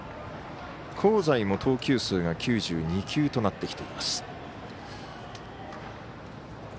香西も投球数が９２球となってきています。